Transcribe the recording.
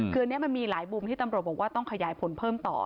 คืออันนี้มันมีหลายมุมที่ตำรวจบอกว่าต้องขยายผลเพิ่มต่อ